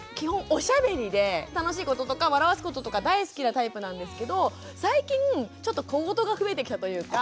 おしゃべりで楽しいこととか笑わすこととか大好きなタイプなんですけど最近ちょっと小言が増えてきたというか。